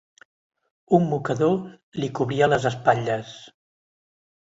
Un mocador li cobria les espatlles.